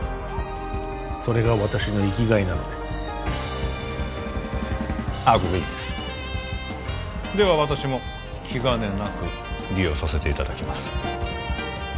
それが私の生きがいなのでアグリーですでは私も気兼ねなく利用させていただきます